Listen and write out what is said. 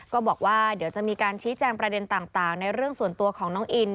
ก็บอกว่าเดี๋ยวจะมีการชี้แจงประเด็นต่างในเรื่องส่วนตัวของน้องอิน